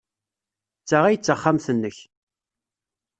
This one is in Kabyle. D ta ay d taxxamt-nnek?